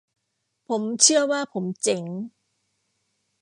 ผมเชื่อว่าผมเจ๋ง